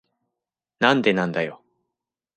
なんでなんだよ。